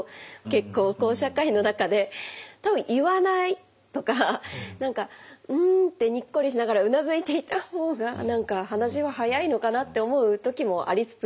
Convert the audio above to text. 結構こう社会の中で多分言わないとか何かうんってにっこりしながらうなずいていた方が何か話は早いのかなって思う時もありつつっていう感じ。